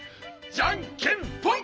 じゃんけんぽん！